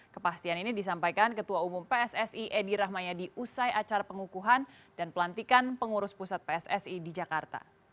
kepastian ini disampaikan ketua umum pssi edi rahmayadi usai acara pengukuhan dan pelantikan pengurus pusat pssi di jakarta